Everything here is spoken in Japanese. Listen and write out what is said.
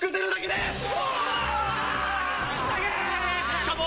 しかも。